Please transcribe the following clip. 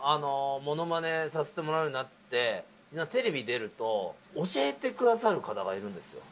モノマネさせてもらうようになってテレビ出ると教えてくださる方がいるんです。